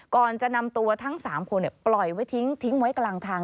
ก่อนจะนำตัวทั้ง๓คนปล่อยไว้ทิ้งไว้กลางทาง